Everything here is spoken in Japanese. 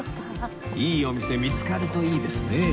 いいお店見つかるといいですね